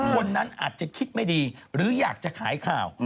คนนั้นอาจจะคิดไม่ดีหรืออยากจะขายข่าว